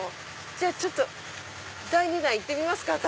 じゃあちょっと第２弾行ってみますか私。